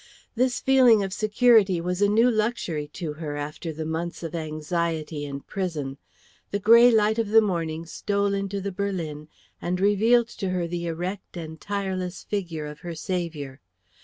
This feeling of security was a new luxury to her after the months of anxiety and prison. The grey light of the morning stole into the berlin and revealed to her the erect and tireless figure of her saviour.